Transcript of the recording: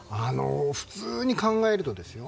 普通に考えるとですよ。